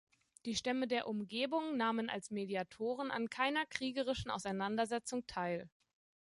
Die Stämme der Umgebung nahmen als Mediatoren an keiner kriegerischen Auseinandersetzung teil.